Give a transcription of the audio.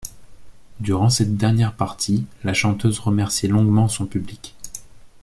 Durant cette dernière partie, la chanteuse remercie longuement son public.